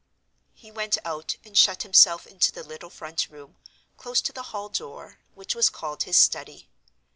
He went out, and shut himself into the little front room, close to the hall door, which was called his study.